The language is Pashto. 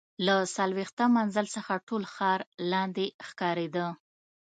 له څلوېښتم منزل څخه ټول ښار لاندې ښکارېده.